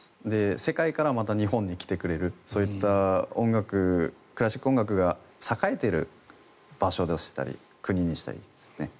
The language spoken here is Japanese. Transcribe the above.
世界からまた日本に来てくれるそういったクラシック音楽が栄えている場所でしたり国にしたいですね。